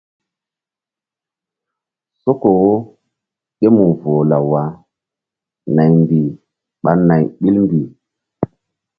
Soko wo ké mu voh law wah naymbih ɓa nay ɓil mbih.